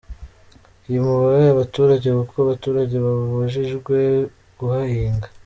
Himuwe abaturage kuko abaturage babujijwe kuhahinga.